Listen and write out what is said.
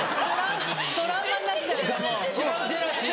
トラウマになっちゃうよ。